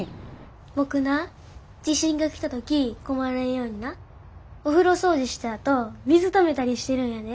僕な地震が来た時困らんようになお風呂掃除したあと水ためたりしてるんやで。